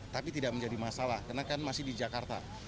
tapi tidak menjadi masalah karena kan masih di jakarta